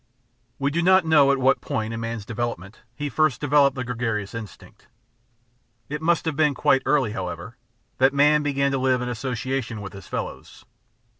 We do not know at what point in man's development The Science of the Mind 55S he first developed the gregarious instinct. It must have been quite early^ however, that man began to live in association with his fellows.